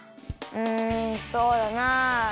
うんそうだなあ。